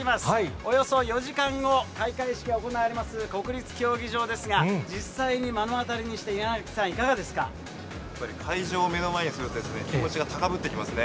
およそ４時間後、開会式が行われます国立競技場ですが、実際に目の当たりにして、やっぱり会場を目の前にすると、気持ちが高ぶってきますね。